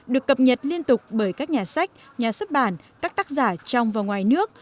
được cập nhật liên tục bởi các nhà sách nhà xuất bản các tác giả trong và ngoài nước